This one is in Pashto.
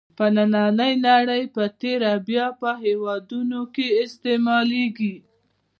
په نننۍ نړۍ په تېره بیا په هېوادونو کې استعمالېږي.